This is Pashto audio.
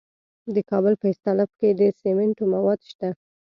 د کابل په استالف کې د سمنټو مواد شته.